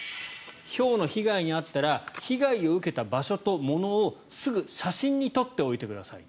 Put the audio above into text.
ひょうの被害に遭ったら被害を受けた場所と物をすぐ写真に撮っておいてください。